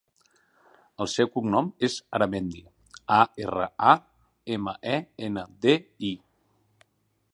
El seu cognom és Aramendi: a, erra, a, ema, e, ena, de, i.